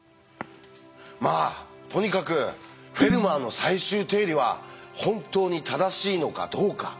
まあとにかく「フェルマーの最終定理」は本当に正しいのかどうか？